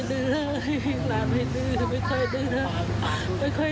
พี่หลานไม่ดื้อไม่ค่อยดื้อนะ